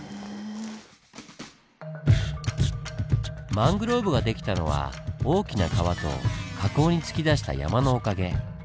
マングローブが出来たのは大きな川と河口に突き出した山のおかげ。